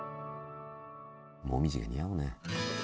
紅葉が似合うね。